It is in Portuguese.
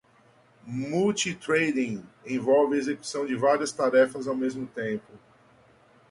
Multithreading envolve a execução de várias tarefas ao mesmo tempo.